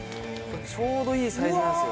ちょうどいいサイズなんですよ。